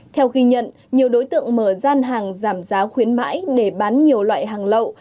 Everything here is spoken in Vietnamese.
theo ghi nhận nhiều đối tượng mở gian hàng giảm giá khuyến mãi để bán nhiều loại hàng lậu